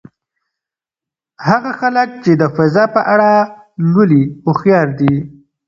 هغه هلک چې د فضا په اړه لولي هوښیار دی.